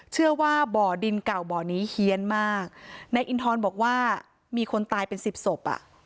เชื่อว่าบ่อดินเก่าบ่อนี้เฮียนมากนายอินทรบอกว่ามีคนตายเป็นสิบศพอ่ะ